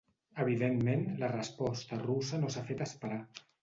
Evidentment, la resposta russa no s’ha fet esperar.